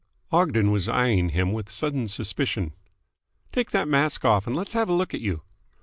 Ogden was eyeing him with sudden suspicion. "Take that mask off and let's have a look at you."